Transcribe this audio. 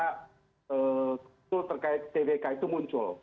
klausul terkait tvk itu muncul